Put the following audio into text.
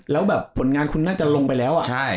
แล้วแบบผลงานคุณน่าจะลงไปแล้ว